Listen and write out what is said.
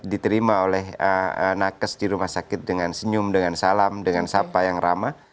diterima oleh nakes di rumah sakit dengan senyum dengan salam dengan sapa yang ramah